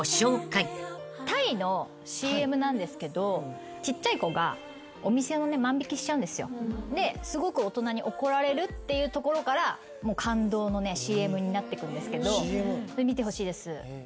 タイのＣＭなんですけどちっちゃい子がお店の万引しちゃうんですよ。ですごく大人に怒られるっていうところから感動のＣＭになってくんですけど見てほしいです。